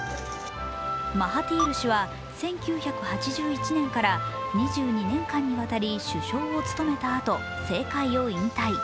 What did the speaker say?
マハティール氏は１９８１年から２２年間にわたり首相を務めたあと、政界を引退。